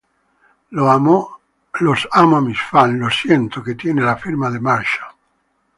Los amo a mis fans, Lo siento"" que tiene le firma de Marshall.